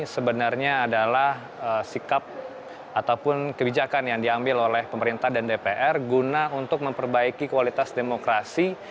sebenarnya adalah sikap ataupun kebijakan yang diambil oleh pemerintah dan dpr guna untuk memperbaiki kualitas demokrasi